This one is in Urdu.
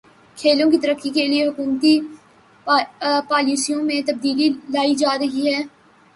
کھیلوں کی ترقی کے لیے حکومتی پالیسیوں میں تبدیلی لائی جا رہی ہے